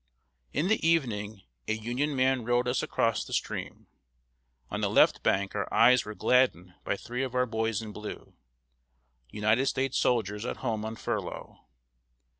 ] In the evening a Union man rowed us across the stream. On the left bank our eyes were gladdened by three of our boys in blue United States soldiers at home on furlough.